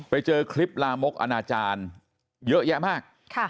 ไปเจอคลิปลามกอนาจารย์เยอะแยะมาก